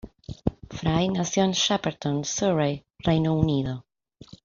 Fry nació en Shepperton, Surrey, Reino Unido.